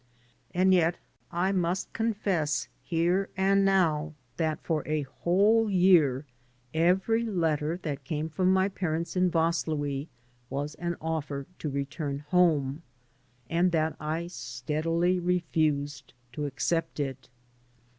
And yet I must confess here and now that for a whole year every letter that came from my parents in Vaslui was an offer to return home, and that I steadily refused to accept it.